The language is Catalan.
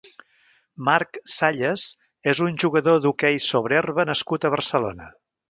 Marc Salles és un jugador d'hoquei sobre herba nascut a Barcelona.